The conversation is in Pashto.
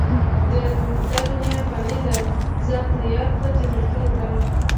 دا دنيا فاني ده، ځان تيار کړه، جنتونو ته